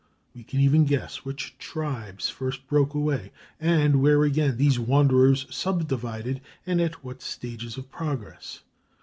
We can even guess which tribes first broke away, and where again these wanderers subdivided, and at what stage of progress.